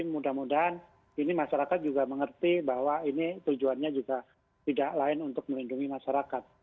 mudah mudahan ini masyarakat juga mengerti bahwa ini tujuannya juga tidak lain untuk melindungi masyarakat